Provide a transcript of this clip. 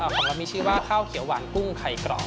ของเรามีชื่อว่าข้าวเขียวหวานกุ้งไข่กรอบ